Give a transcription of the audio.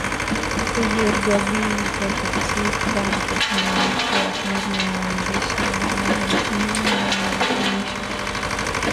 Rugwabiza katika mkutano wake wa kwanza na waandishi wa habari alisema ameomba marekebisho kuhusu dhamira ya kikosi cha walinda amani